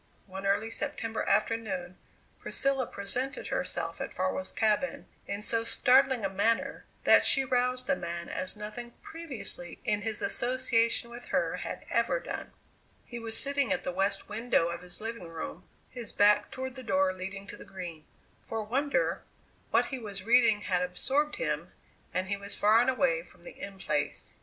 One early September afternoon Priscilla presented herself at Farwell's cabin in so startling a manner that she roused the man as nothing previously in his association with her had ever done. He was sitting at the west window of his living room, his back toward the door leading to the Green. For a wonder, what he was reading had absorbed him, and he was far and away from the In Place.